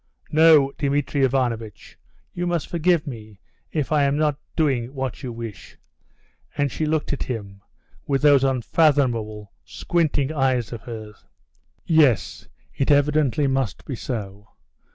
"No, Dmitri Ivanovitch, you must forgive me if I am not doing what you wish," and she looked at him with those unfathomable, squinting eyes of hers. "Yes, it evidently must be so.